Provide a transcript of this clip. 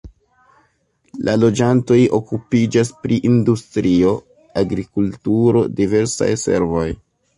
La loĝantoj okupiĝas pri industrio, agrikulturo, diversaj servoj.